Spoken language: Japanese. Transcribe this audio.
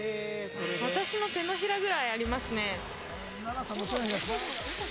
私の手のひらぐらいありますね。